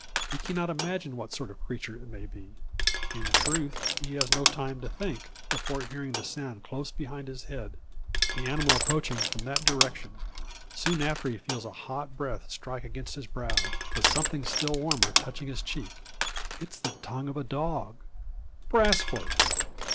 He cannot imagine what sort of creature it may be; in truth he has no time to think, before hearing the sound close behind his head, the animal approaching from that direction. Soon after he feels a hot breath strike against his brow, with something still warmer touching his cheek. It is the tongue of a dog! "Brasfort!"